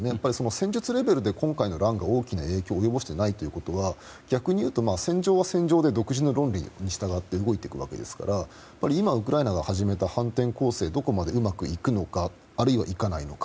戦術レベルで今回の乱で影響を及ぼしてないということは逆に言うと、戦場は戦場で独自の論理に従って動いていくわけですから今ウクライナが始めた反転攻勢がどこまでうまくいくのかあるいはいかないのか。